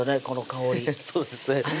この香りそうですね